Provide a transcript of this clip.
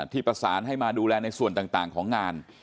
ที่ประสานให้มาดูแลในส่วนต่างของงาน